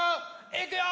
いくよ！